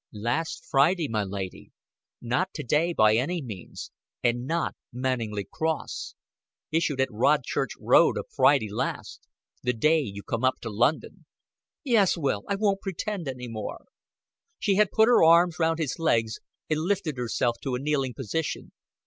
"Last Friday, my lady. Not to day by any means and not Manninglea Cross. Issued at Rodchurch Road o' Friday last the day you come up to London." "Yes, Will, I won't pretend any more." She had put her arms round his legs and lifted herself to a kneeling position.